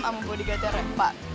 sama bodyguardnya repa